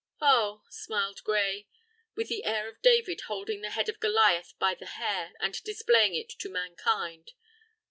"Oh!" smiled Gray, with the air of David holding the head of Goliath by the hair, and displaying it to mankind "oh!"